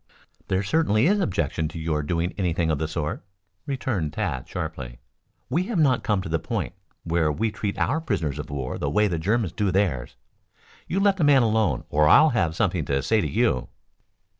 "There certainly is objection to your doing anything of the sort," returned Tad sharply. "We have not come to the point where we treat our prisoners of war the way the Germans do theirs. You let the man alone or I'll have something to say to you."